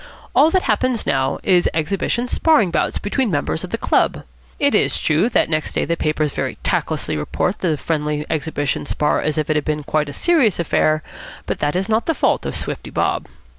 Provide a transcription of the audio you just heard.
All that happens now is exhibition sparring bouts between members of the club. It is true that next day the papers very tactlessly report the friendly exhibition spar as if it had been quite a serious affair, but that is not the fault of Swifty Bob.